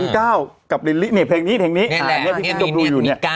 ก้าวกับลิลลี่นี่เพลงนี้เพลงนี้อันนี้พี่ต้องดูอยู่เนี่ย